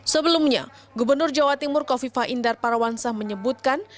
sebelumnya gubernur jawa timur kofifa indar parawansa menyebutkan